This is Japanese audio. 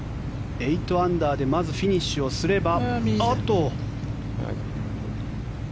８アンダーでまずフィニッシュをすれば。